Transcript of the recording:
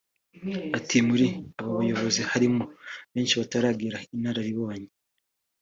Ati “Muri aba bayobozi harimo benshi bataragira inararibonye